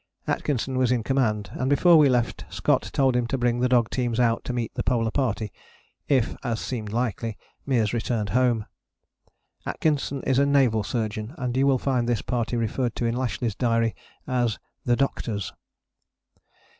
Atkinson was in command, and before we left Scott told him to bring the dog teams out to meet the Polar Party if, as seemed likely, Meares returned home. Atkinson is a naval surgeon and you will find this party referred to in Lashly's diary as "the Doctor's."